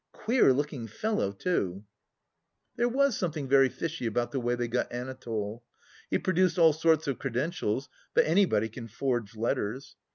Queer looking fellow, too !" There was something very fishy about the way they got Anatole. He produced all sorts of credentials, but anybody can forge letters.